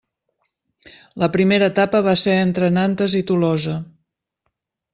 La primera etapa va ser entre Nantes i Tolosa.